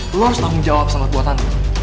lo harus tanggung jawab salah buatan